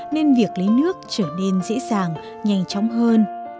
nên việc lấy nước trở nên dễ dàng nhanh chóng hơn